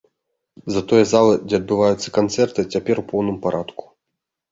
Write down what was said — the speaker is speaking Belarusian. Затое зала, дзе адбываюцца канцэрты, цяпер у поўным парадку.